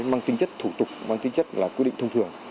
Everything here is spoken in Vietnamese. mang tính chất thủ tục mang tính chất là quy định thông thường